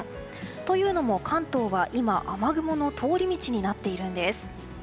というのも関東は今雨雲の通り道になっています。